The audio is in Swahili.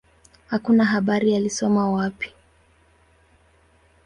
Hakuna habari alisoma wapi.